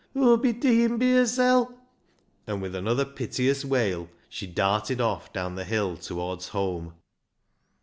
Hoo'll be deein' bi hersel'," and with another piteous wail she darted off down the hill towards home.